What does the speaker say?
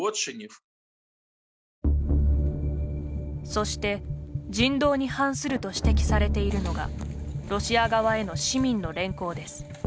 そして、人道に反すると指摘されているのがロシア側への市民の連行です。